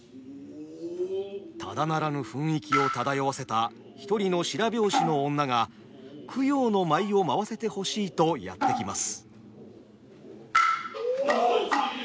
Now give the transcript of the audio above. ただならぬ雰囲気を漂わせた一人の白拍子の女が供養の舞を舞わせてほしいとやって来ます。